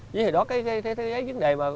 với thời đó cái vấn đề mà